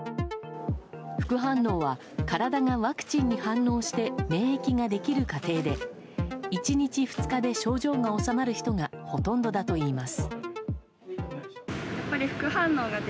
副反応は体がワクチンに反応して免疫ができる過程で１日、２日で症状が治まる人がほとんどだといいます。